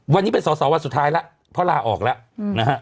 วันนี้เป็นสอสอวันสุดท้ายแล้วเพราะลาออกแล้วนะฮะ